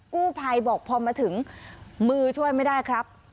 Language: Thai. กู้ภัยบอกพอมาถึงมือช่วยไม่ได้ครับ